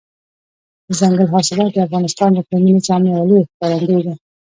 دځنګل حاصلات د افغانستان د اقلیمي نظام یوه لویه ښکارندوی ده.